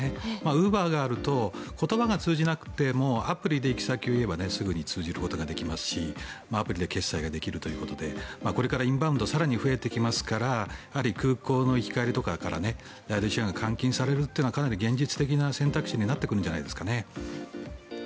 ウーバーがあると言葉が通じなくてもアプリで行き先を言えばすぐに通じることができますしアプリで決済できるということでこれからインバウンド更に増えてきますから空港の行き帰りとかからライドシェアが解禁されるというのは現実的な選択肢になってくるんじゃないですかね。